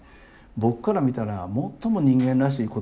僕から見たら最も人間らしい言葉ですよ